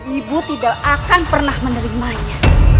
ibu tidak akan pernah menerimanya